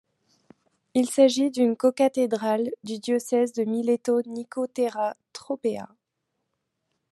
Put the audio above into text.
Il s'agit d'une cocathédrale du diocèse de Mileto-Nicotera-Tropea.